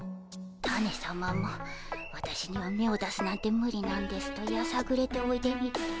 タネさまも「わたしにはめを出すなんてむりなんです」とやさぐれておいでにて。